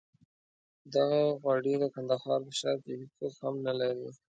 دغه غوړي د کندهار په ښار کې هېڅوک هم نه لري.